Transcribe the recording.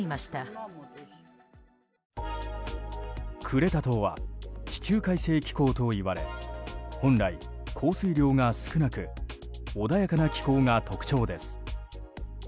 クレタ島は地中海性気候といわれ本来、降水量が少なく穏やかな気候が特徴です。